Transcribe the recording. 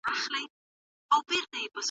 خو خلکو به بیا هم نوي کورونه جوړول.